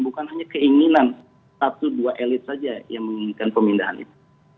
bukan hanya keinginan satu dua elit saja yang menginginkan pemindahan itu